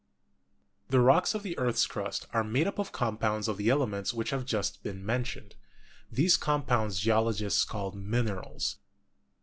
The rocks of the earth's crust are made up of com pounds of the elements which have just been mentioned. These compounds geologists call minerals.